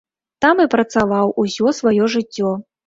Там і працаваў усё сваё жыццё.